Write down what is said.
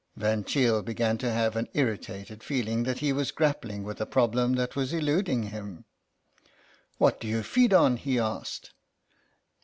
Van Cheele began to have an irritated feel fing that he was grappling with a problem that was eluding him. " What do you feed on ?" he asked.